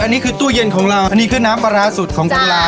อันนี้คือตู้เย็นของเราอันนี้คือน้ำปลาร้าสุดของคนลา